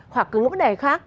hoặc cứ vấn đề khác